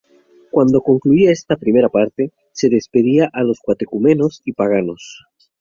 Cuando concluía esta primera parte, se despedía a los catecúmenos y paganos.